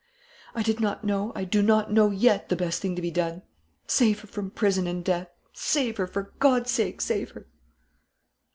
I did not know, I do not yet know the best thing to be done! Save her from prison and death, save her, for God's sake, save her!"